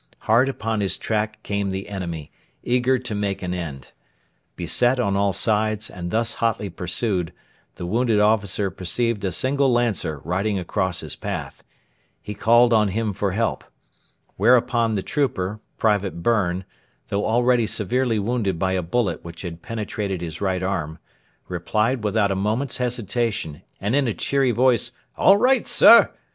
Hard upon his track came the enemy, eager to make an end. Beset on all sides, and thus hotly pursued, the wounded officer perceived a single Lancer riding across his path. He called on him for help. Whereupon the trooper, Private Byrne, although already severely wounded by a bullet which had penetrated his right arm, replied without a moment's hesitation and in a cheery voice, 'All right, sir!'